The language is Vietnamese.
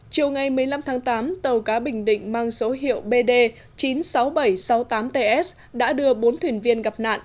chiều ngày một mươi năm tháng tám tàu cá bình định mang số hiệu bd chín mươi sáu nghìn bảy trăm sáu mươi tám ts đã đưa bốn thuyền viên gặp nạn